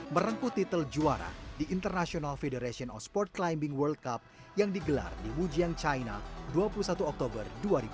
merengku titel juara di international federation of sport climbing world cup yang digelar di wujian china dua puluh satu oktober dua ribu dua puluh